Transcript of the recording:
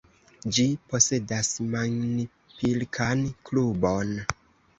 Ĝi posedas manpilkan klubon.